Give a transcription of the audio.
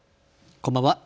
こんばんは。